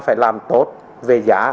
phải làm tốt về giá